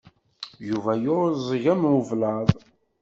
Yuba yeɛẓeg am ublaḍ.